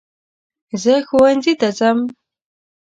زه ښونځي ته ځم.